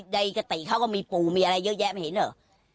ปกติเขาก็มีปู่มีอะไรเยอะแยะไม่เห็นเหรอ